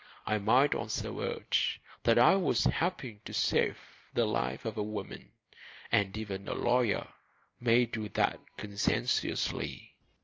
I might also urge that I was helping to save the life of a woman, and even a lawyer may do that conscientiously.